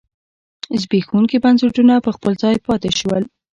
زبېښونکي بنسټونه په خپل ځای پاتې شول.